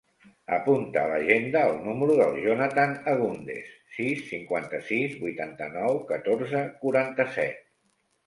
Apunta a l'agenda el número del Jonathan Agundez: sis, cinquanta-sis, vuitanta-nou, catorze, quaranta-set.